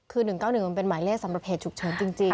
คือ๑๙๑มันเป็นหมายเลขสำหรับเหตุฉุกเฉินจริง